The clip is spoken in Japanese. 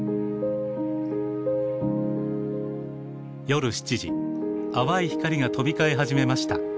夜７時淡い光が飛び交い始めました。